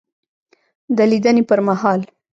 دلیدني پر مهال